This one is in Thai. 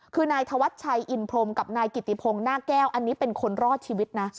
คือนายธวัชชัยอินพรมกับนายกิติพงศ์หน้าแก้วอันนี้เป็นคนรอดชีวิตนะ